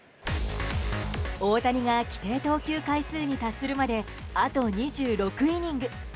大谷が規定投球回数に達するまであと２６イニング。